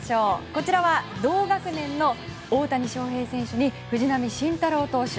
こちらは同学年の大谷翔平選手に藤浪晋太郎投手。